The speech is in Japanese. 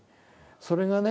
それがね